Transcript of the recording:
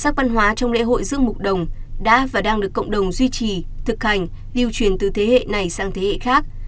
thực hành lưu truyền từ thế hệ này sang thế hệ khác